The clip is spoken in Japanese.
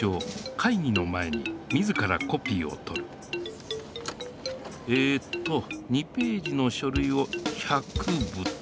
かいぎの前に自らコピーをとるえっと２ページのしょるいを１００部と。